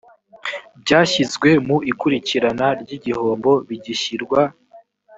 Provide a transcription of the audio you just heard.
byashyizwe mu ikurikirana ry igihombo bigishyirwa